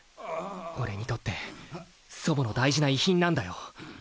俺にとって祖母の大事な遺品なんだよ」